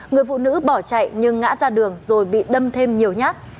người phụ nữ bỏ chạy nhưng ngã ra đường rồi bị đâm thêm nhiều nhát